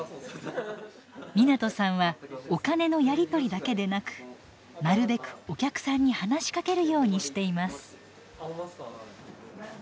湊さんはお金のやり取りだけでなくなるべくお客さんに話しかけるようにしています。